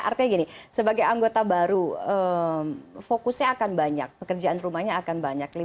artinya gini sebagai anggota baru fokusnya akan banyak pekerjaan rumahnya akan banyak